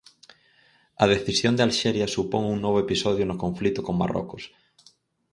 A decisión de Alxeria supón un novo episodio no conflito con Marrocos.